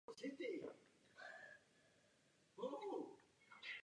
Další diskuse se týkala otázky, jestli regulace nebo stimulační balíčky.